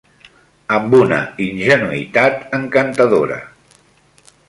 Amb una ingenuïtat encantadora